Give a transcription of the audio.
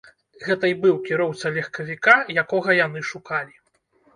Гэта і быў кіроўца легкавіка, якога яны шукалі.